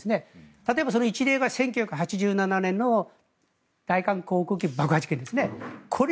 例えば、その一例が大韓航空機爆破事件ですね。